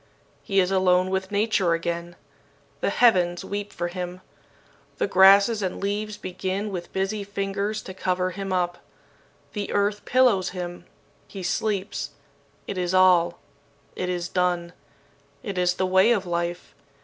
"He is alone with Nature again. The heavens weep for him. The grasses and leaves begin with busy fingers to cover him up. The earth pillows him. He sleeps. It is all. It is done. It is the way of life.